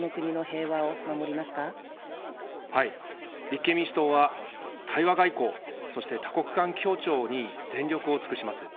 立憲民主党は対話外交、そして多国間協調に全力を尽くします。